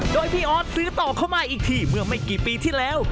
โดยพี่ออสซื้อต่อเข้ามาอีกทีเมื่อไม่กี่ปีที่แล้ว